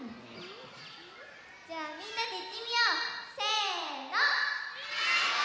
じゃあみんなでいってみよう！せの！